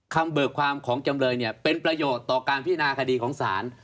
เบิกความของจำเลยเนี่ยเป็นประโยชน์ต่อการพิจารณาคดีของศาล